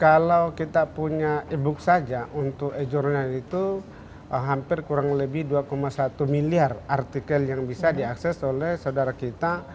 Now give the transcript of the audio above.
kalau kita punya e book saja untuk e journal itu hampir kurang lebih dua satu miliar artikel yang bisa diakses oleh saudara kita